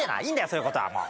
そういうことはもう。